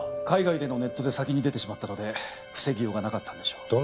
海外でのネットで先に出てしまったので防ぎようがなかったんでしょう。